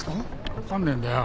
分かんねえんだよ。